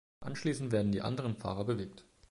Anschließend werden die anderen Fahrer bewegt.